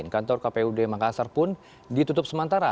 kantor kpud makassar pun ditutup sementara